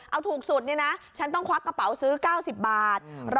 เอาถูกสุดเนี่ยนะฉันต้องควักกระเป๋าซื้อ๙๐บาท